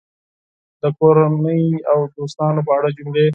د کورنۍ او دوستانو په اړه جملې